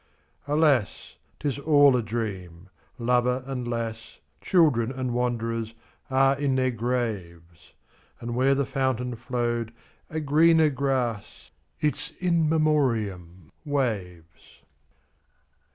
Alas! 't is all a dream. Lover and lass, Children and wanderers, are in their graves; And where the fountain flow'd a greener grass—Its In Memoriam—waves.